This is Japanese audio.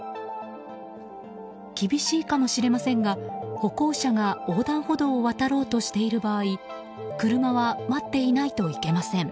厳しいかもしれませんが歩行者が横断歩道を渡ろうとしている場合車は待っていないといけません。